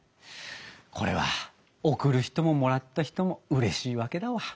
これは贈る人ももらった人もうれしいわけだわ。